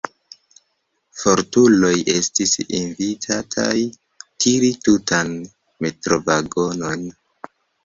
Fortuloj estis invitataj tiri tutan metrovagonon.